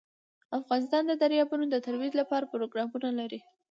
افغانستان د دریابونه د ترویج لپاره پروګرامونه لري.